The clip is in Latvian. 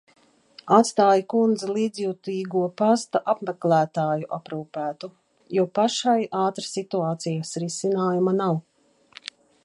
Atstāju kundzi līdzjūtīgo pasta apmeklētāju aprūpētu, jo pašai ātra situācijas risinājuma nav.